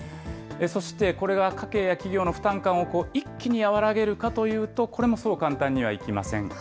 そしてこれが家計や企業の負担感を一気に和らげるかというと、これもそう簡単にはいきません。